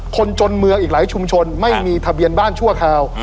คนจนเมืองอีกหลายชุมชนไม่มีทะเบียนบ้านชั่วคราว